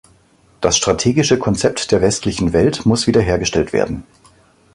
Das strategische Konzept der westlichen Welt muss wieder hergestellt werden.